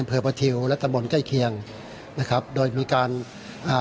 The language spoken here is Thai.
อันพลปะทิวและตะมลใกล้เคียงนะครับโดยเป็นการอ่า